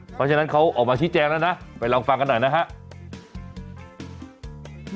เพราะฉะนั้นเขาออกมาชี้แจงแล้วนะไปลองฟังกันหน่อยนะครับ